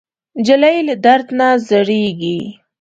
نجلۍ له درد نه زړېږي.